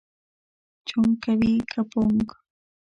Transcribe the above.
چونګ کوې که پونګ؟